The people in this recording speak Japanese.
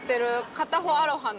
片方アロハの。